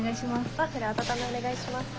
ワッフル温めお願いします。